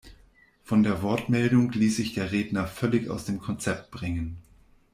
Von der Wortmeldung ließ sich der Redner völlig aus dem Konzept bringen.